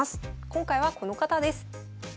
今回はこの方です。